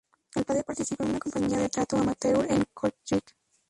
El padre participaba en una compañía de teatro amateur en Kortrijk.